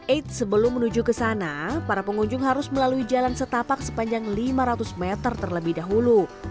eits sebelum menuju ke sana para pengunjung harus melalui jalan setapak sepanjang lima ratus meter terlebih dahulu